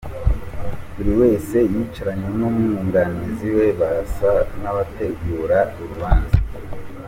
Buri wese yicaranye n’umwunganizi we barasa n’abategura urubanza.